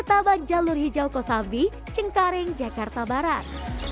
taban jalur hijau kosambi cengkaring jakarta barat